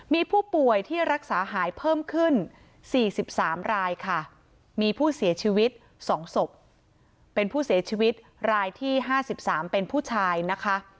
มีผู้ป่วยที่รักษาหายเพิ่มขึ้น๔๓รายค่ะมีผู้เสียชีวิต๒ศพเป็นผู้เสียชีวิตรายที่๕๓เป็นผู้ชายนะคะ